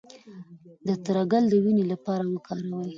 د تره ګل د وینې لپاره وکاروئ